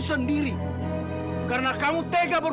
jadi jika saya pertama saat